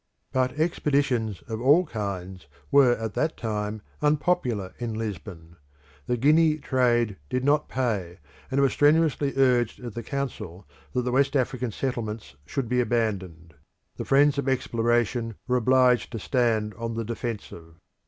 But expeditions of all kinds were at that time unpopular in Lisbon. The Guinea trade did not pay, and it was strenuously urged at the council that the West African Settlements should be abandoned. The friends of exploration were obliged to stand on the defensive.